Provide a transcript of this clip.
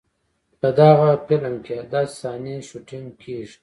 په دغه فلم کې داسې صحنې شوټېنګ کېږي.